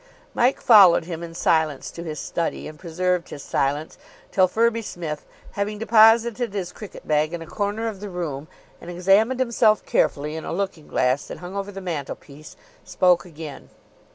Mike followed him in silence to his study, and preserved his silence till Firby Smith, having deposited his cricket bag in a corner of the room and examined himself carefully in a looking glass that hung over the mantelpiece, spoke again.